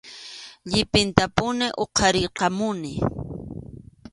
Llipintapuni huqarirqamuni.